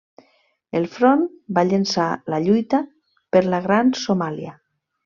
El Front va llençar la lluita per la Gran Somàlia.